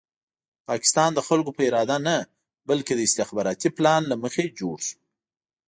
پاکستان د خلکو په اراده نه بلکې د استخباراتي پلان له مخې جوړ شو.